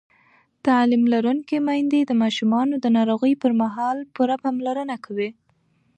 تعلیم لرونکې میندې د ماشومانو د ناروغۍ پر مهال پوره پاملرنه کوي.